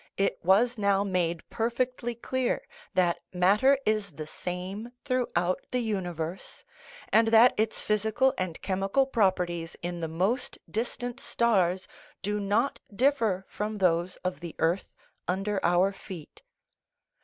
It was now made perfectly clear that matter is the same throughout the universe, and that its physical and chemical properties in the most distant stars do not differ from those of the earth under our feet.